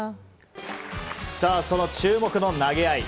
その注目の投げ合い。